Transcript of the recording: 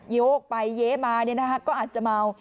โยกไปเย้มาเนี่ยนะฮะก็อาจจะเมา